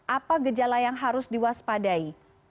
apa gejala yang harus diwaspadai